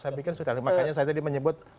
saya pikir sudah makanya saya tadi menyebut